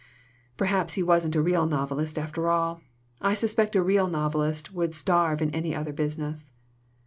"Perhaps he wasn't a real novelist, after all. I suspect a real novelist would starve in any other business."